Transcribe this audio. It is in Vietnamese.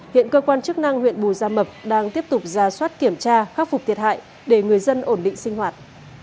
hiện cơ quan chức năng huyện bù gia mập đang tiếp tục ra soát kiểm tra khắc phục thiệt hại để người dân ổn định sinh hoạt